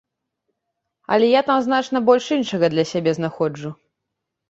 Але я там значна больш іншага для сябе знаходжу.